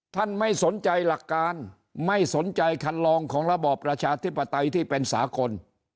ไม่สนใจหลักการไม่สนใจคันลองของระบอบประชาธิปไตยที่เป็นสากล